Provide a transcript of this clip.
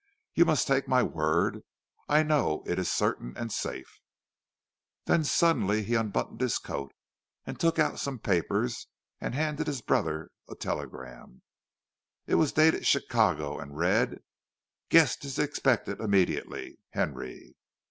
You must take my word; I know it is certain and safe." Then suddenly he unbuttoned his coat, and took out some papers, and handed his brother a telegram. It was dated Chicago, and read, "Guest is expected immediately.—HENRY."